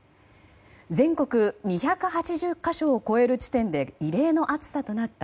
全国２８０か所を超える地点で異例の暑さとなった